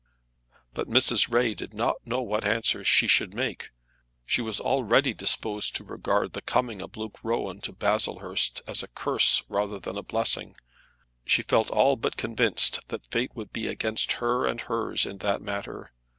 But Mrs. Ray did not know what answer she should make. She was already disposed to regard the coming of Luke Rowan to Baslehurst as a curse rather than a blessing. She felt all but convinced that Fate would be against her and hers in that matter.